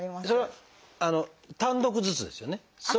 それは単独ずつですよね。